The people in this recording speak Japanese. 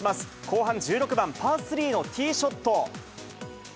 後半１６番パー３のティーショット。